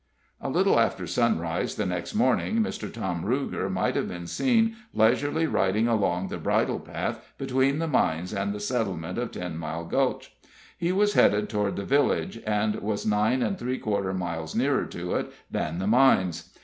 A little after sunrise, the next morning, Mr. Tom Ruger might have been seen leisurely riding along the bridle path between the mines and the settlement of Ten Mile Gulch. He was headed toward the village, and was nine and three quarter miles nearer to it than the mines.